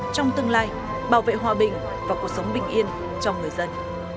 trong tương lai bảo vệ hòa bình và cuộc sống bình yên cho người dân